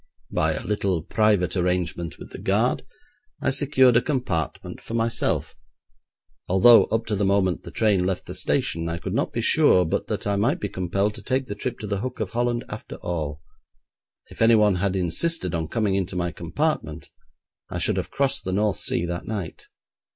By a little private arrangement with the guard, I secured a compartment for myself, although up to the moment the train left the station, I could not be sure but that I might be compelled to take the trip to the Hook of Holland after all. If any one had insisted on coming into my compartment, I should have crossed the North Sea that night.